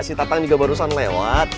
si tatang juga barusan lewat